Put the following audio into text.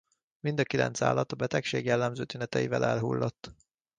Mind a kilenc állat a betegség jellemző tüneteivel elhullott.